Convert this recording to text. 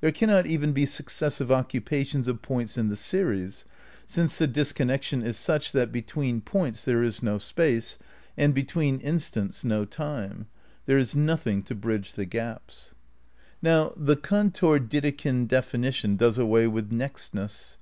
There cannot even be successive occupations of points in the series, since the disconnection is such that between points there is no space, and between instants no time ; there is nothing to bridge the gaps. IV THE CRITICAL PREPARATIONS 159 Now the Cantor Dedekind definition does away with nextness.